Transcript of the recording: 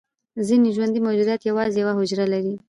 ځینې ژوندي موجودات یوازې یوه حجره لري